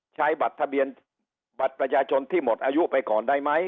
ใช้บัตรทะเบียนบัตรประชาชนที่หมดอายุไปก่อนได้ไหม